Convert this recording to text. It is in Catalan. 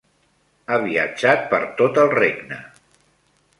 Ha viatjat per tot el regne.